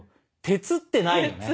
鉄ってないよね。